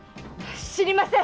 知りません！